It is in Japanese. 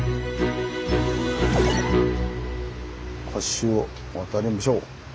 橋を渡りましょう。